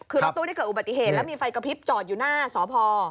คือรถตู้ที่เกิดอุบัติเหตุแล้วมีไฟกระพริบจอดอยู่หน้าสพ